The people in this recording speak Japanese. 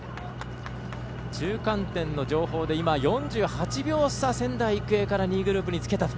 中間点の情報で今、４８秒差、仙台育英から２位グループにつけたと。